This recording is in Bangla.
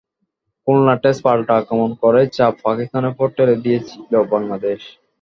খুলনা টেস্টে পাল্টা আক্রমণ করেই চাপ পাকিস্তানের ওপর ঠেলে দিয়েছিল বাংলাদেশ।